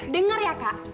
dengar ya kak